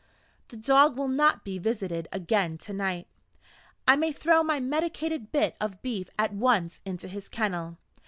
The dog will not be visited again tonight: I may throw my medicated bit of beef at once into his kennel.